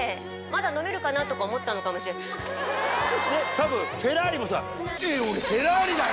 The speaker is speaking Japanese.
・多分フェラーリもさ。